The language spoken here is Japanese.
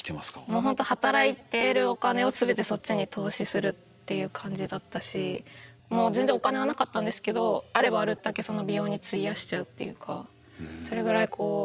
もうほんと働いてるお金をすべてそっちに投資するっていう感じだったし全然お金はなかったんですけどあればあるったけ美容に費やしちゃうっていうかそれぐらい。